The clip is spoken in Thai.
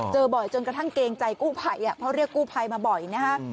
เจอบ่อยจนกระทั่งเกรงใจกู้ภัยเพราะเรียกกู้ภัยมาบ่อยนะฮะ